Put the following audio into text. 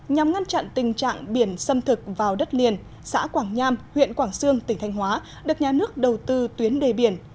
nhằm ngăn chặn tình trạng biển xâm thực vào đất liền xã quảng nham huyện quảng sương tỉnh thanh hóa được nhà nước đầu tư tuyến đề biển